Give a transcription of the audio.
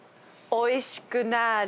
おいしくなーれ！